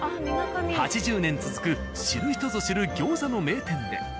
８０年続く知る人ぞ知る餃子の名店で。